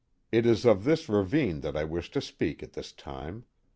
It is of this ravine that I wish to speak at this time.